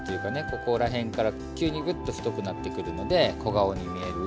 ここら辺から急にグッと太くなってくるので小顔に見える。